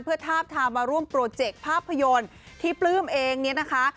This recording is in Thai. เพื่อทาบทามมาร่วมโปรเจกต์ภาพยนตร์ที่ปลื้มเองเนี่ยนะคะ